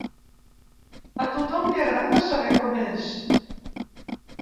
A tothom li agrada saber com és.